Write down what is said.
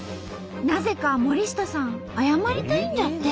なぜか森下さん謝りたいんだって。